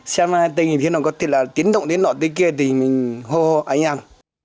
xem ai tình thì nó có tiến động đến nọ tới kia thì mình hô hô ai ăn